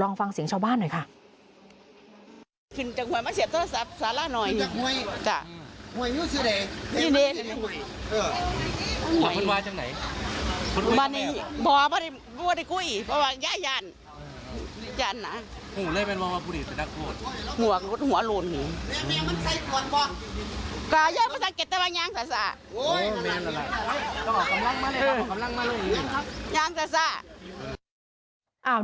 ลองฟังเสียงชาวบ้านหน่อยค่ะ